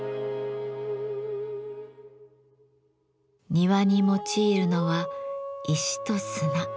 庭に用いるのは石と砂。